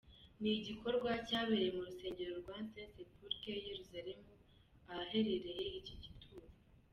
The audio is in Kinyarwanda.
Ni igikorwa cyabereye mu rusengero rwa Saint-Sépulcre i Yelusalemu ahaherereye iki gituro.